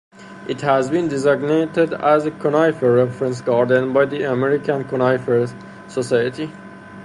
It has been designated as a Conifer Reference Garden by the American Conifer Society.